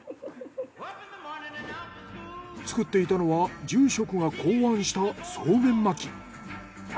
作っていたのは住職が考案したそうめん巻き。